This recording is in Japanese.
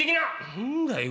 「何だよ